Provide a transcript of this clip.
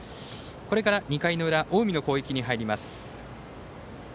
これから２回の裏近江の攻撃に入ります。